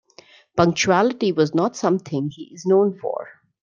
Punctuality was not something he is known for.